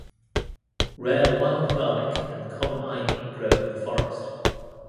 Rare wild garlic and common ivy grow in the forest.